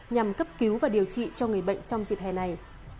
nhằm cấp cứu và điều trị cho người bệnh trong dịp hè này